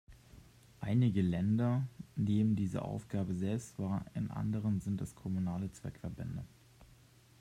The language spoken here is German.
Einige Länder nehmen diese Aufgabe selbst wahr, in anderen sind es kommunale Zweckverbände.